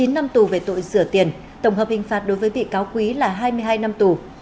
chín năm tù về tội rửa tiền tổng hợp hình phạt đối với bị cáo quý là hai mươi hai năm tù